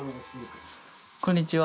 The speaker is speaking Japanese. こんにちは。